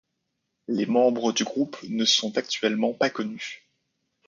Les membres du groupe ne sont actuellement pas connus.